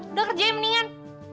udah kerjain mendingan